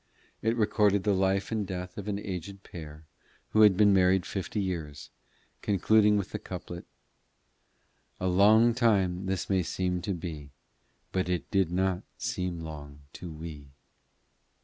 It recorded the life and death of an aged pair who had been married fifty years, concluding with the couplet "A long time this may seem to be, But it did not seem long to we."